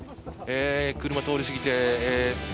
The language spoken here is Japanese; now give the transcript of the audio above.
車を通り過ぎて。